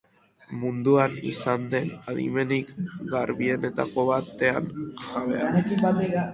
Munduan izan den adimenik garbienetako baten jabea.